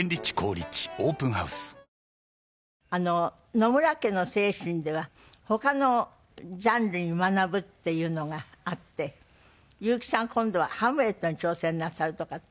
野村家の精神では他のジャンルに学ぶっていうのがあって裕基さん今度は『ハムレット』に挑戦なさるとかって。